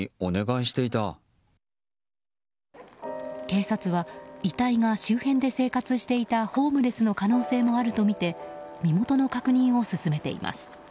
警察は遺体が周辺で生活していたホームレスの可能性もあるとみて身元の確認を進めています。